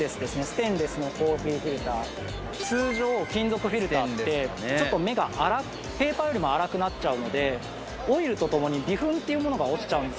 ステンレスのコーヒーフィルター通常金属フィルターってちょっと目が荒ペーパーよりも荒くなっちゃうのでオイルとともに微粉っていうものが落ちちゃうんですよね